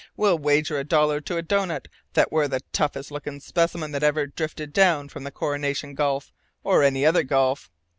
"We'll wager a dollar to a doughnut that we're the toughest looking specimen that ever drifted down from Coronation Gulf, or any other gulf.